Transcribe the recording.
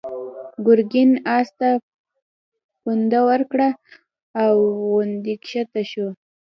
ګرګين آس ته پونده ورکړه، پر غونډۍ کښته شو.